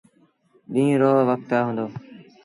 ڏيٚݩهݩ رو وکت هُݩدو۔